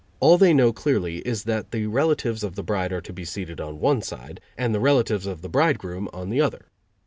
All they know clearly is that the relatives of the bride are to be seated on one side and the relatives of the bridegroom on the other.